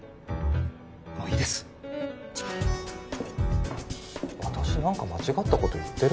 もういいです私何か間違ったこと言ってる？